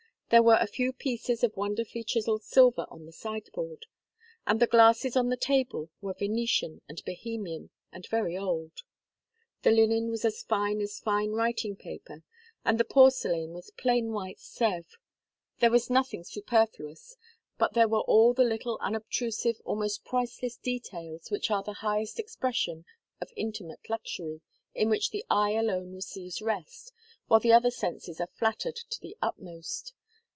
There were a few pieces of wonderfully chiselled silver on the sideboard, and the glasses on the table were Venetian and Bohemian, and very old. The linen was as fine as fine writing paper, the porcelain was plain white Sèvres. There was nothing superfluous, but there were all the little, unobtrusive, almost priceless details which are the highest expression "of intimate luxury in which the eye alone receives rest, while the other senses are flattered to the utmost.